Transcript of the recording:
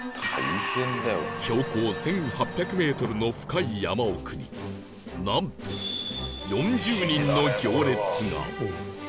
標高１８００メートルの深い山奥になんと４０人の行列が